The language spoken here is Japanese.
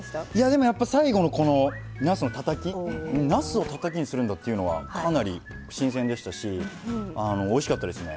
でもやっぱ最後のこのなすのたたきなすをたたきにするんだっていうのはかなり新鮮でしたしおいしかったですね。